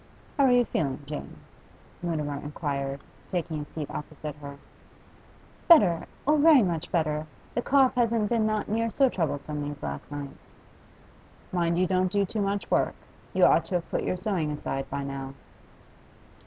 'How are you feeling, Jane?' Mutimer inquired, taking a seat opposite her. 'Better oh, very much better! The cough hasn't been not near so troublesome these last nights.' 'Mind you don't do too much work. You ought to have put your sewing aside by now.